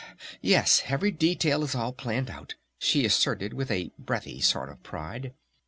"Yes! Every detail is all planned out!" she asserted with a breathy sort of pride.